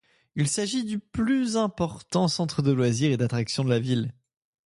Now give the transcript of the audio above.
Il s'agissait du plus important centre de loisirs et d´attractions de la ville.